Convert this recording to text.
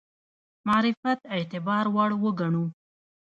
معرفت اعتبار وړ وګڼو.